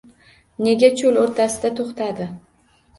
Nega cho‘l o‘rtasida to‘xtadi?